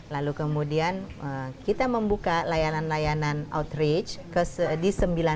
lalu kemudian kita membuka layanan layanan outreach di sembilan belas